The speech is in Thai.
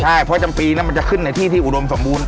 ใช่เพราะจำปีนั้นมันจะขึ้นในที่ที่อุดมสมบูรณ